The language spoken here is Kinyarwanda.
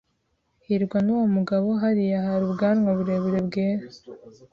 hirwa nuwo mugabo hariya hari ubwanwa burebure bwera.